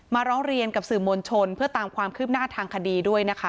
ร้องเรียนกับสื่อมวลชนเพื่อตามความคืบหน้าทางคดีด้วยนะคะ